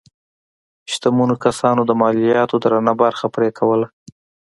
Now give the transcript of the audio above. شتمنو کسانو د مالیاتو درنه برخه پرې کوله.